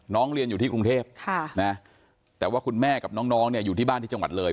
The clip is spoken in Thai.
เรียนอยู่ที่กรุงเทพแต่ว่าคุณแม่กับน้องเนี่ยอยู่ที่บ้านที่จังหวัดเลย